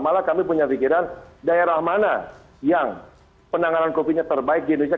malah kami punya pikiran daerah mana yang penanganan covid nya terbaik di indonesia